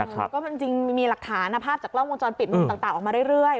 ก็จริงมีหลักฐานภาพจากกล้องวงจรปิดมุมต่างออกมาเรื่อย